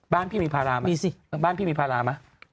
บ้านพี่มีพาราไหมมีสิบ้านพี่มีพาราไหม